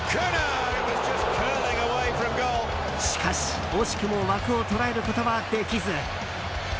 しかし、惜しくも枠を捉えることはできず。